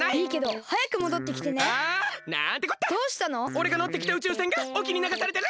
おれがのってきた宇宙船がおきにながされてる！